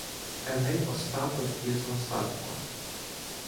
Еней оставив із носатку